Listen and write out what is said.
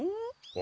あ。